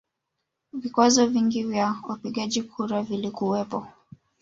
Vikwazo vingi vya upigaji kura vilikuwepo